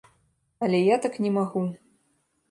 Але я так не магу.